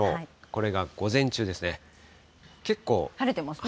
これが午前中ですね。